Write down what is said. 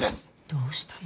どうしたの？